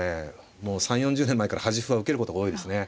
もう３０４０年前から端歩は受けることが多いですね。